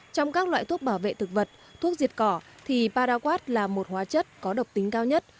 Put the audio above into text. trong các loại thuốc bảo vệ thực vật thuốc diệt cỏ thì paraquat là một hóa chất có độc tính cao nhất